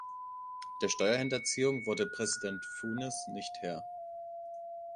Der Steuerhinterziehung wurde Präsident Funes nicht Herr.